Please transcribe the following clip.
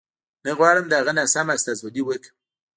نه غواړم د هغه ناسمه استازولي وکړم.